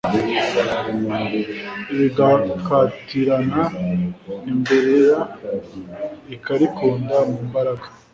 Rigakatirana imbereraIkarikunda mu mbaraga